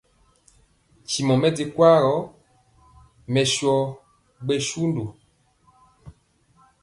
Ntimɔ mɛ di kwaa gɔ, mɛ sɔ gbɛsundu ɗe.